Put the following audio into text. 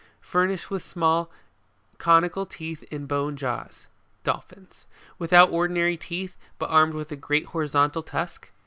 (Furnished with small ) n conical teeth in both jaws. \" Without ordinary teeth, ") but armed with a great ^NARWHALS. horizontal tusk.